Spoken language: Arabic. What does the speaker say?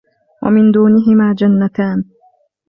ومن دونهما جنتان